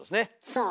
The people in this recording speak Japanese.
そう。